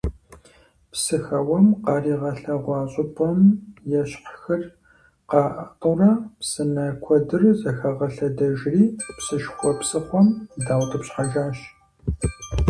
Псыхэуэм къаригъэлъэгъуа щӀыпӀэм ещхьхэр къатӀыурэ псынэ куэдыр зыхагъэлъэдэжри псышхуэу псыхъуэм даутӀыпщхьэжащ.